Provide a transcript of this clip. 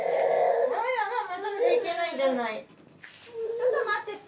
ちょっと待ってて。